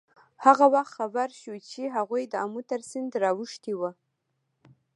هغه وخت خبر شو چې هغوی د آمو تر سیند را اوښتي وو.